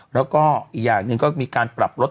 แล้วก็อีกอย่างหนึ่งก็มีการปรับลด